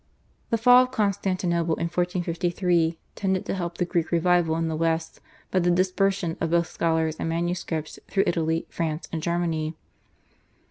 The fall of Constantinople in 1453 tended to help the Greek revival in the West by the dispersion of both scholars and manuscripts through Italy, France, and Germany.